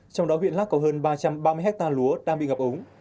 trong đó huyện lắk có hơn ba trăm ba mươi hectare lúa đang bị ngập úng